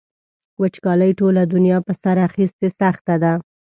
وچکالۍ ټوله دنیا په سر اخیستې سخته ده.